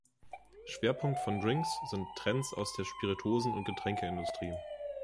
Schwerpunkt von Drinks sind Trends aus der Spirituosen- und Getränkeindustrie.